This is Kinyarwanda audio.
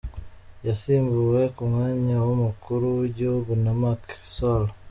Yasimbuwe ku mwanya w’umukuru w’igihugu na Macky Sall.